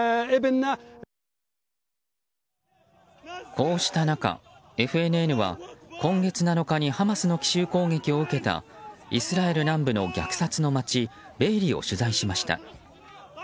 こうした中、ＦＮＮは今月７日にハマスの奇襲攻撃を受けたイスラエル南部の虐殺の街ベエリを取材しました。